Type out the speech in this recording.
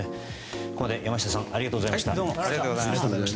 ここまで山下さんありがとうございました。